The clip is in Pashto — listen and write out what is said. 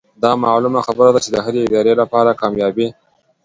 دا معلومه خبره ده چې د هرې ادارې لپاره کاميابي